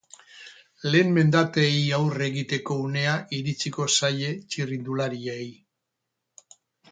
Lehen mendateei aurre egiteko unea iritsiko zaie txirrindulariei.